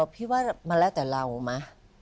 พี่ว่ามันแล้วแต่เรามั้ย